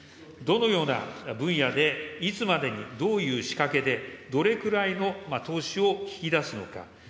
どのような分野で、いつまでにどういう仕掛けで、どれくらいの投資を引き出すのか。